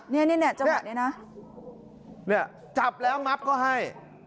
เนี่ยจับแล้วมับก็ให้